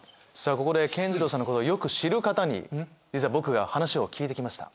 ここで健二郎さんのことをよく知る方に実は僕が話を聞いて来ました。